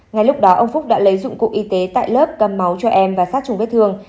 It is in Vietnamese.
ngay lúc đó ông phúc đã lấy dụng cụ y tế tại lớp cầm máu cho em và sát trùng vết thương